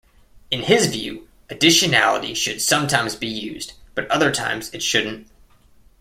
In his view, additionality should sometimes be used, but other times, it shouldn't.